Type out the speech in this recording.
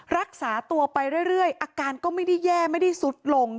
รักษาตัวไปเรื่อยอาการก็ไม่ได้แย่ไม่ได้สุดลง